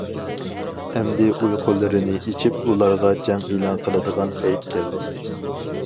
— ئەمدى ئۇيقۇلىرىنى ئېچىپ ئۇلارغا جەڭ ئېلان قىلىدىغان پەيت كەلدى.